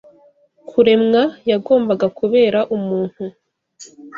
kuremwa yagombaga kubera umuntu